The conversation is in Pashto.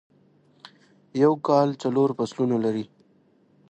یوکال څلور فصلونه لری